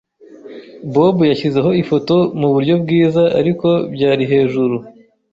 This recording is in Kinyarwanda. Bob yashyizeho ifoto muburyo bwiza, ariko byari hejuru.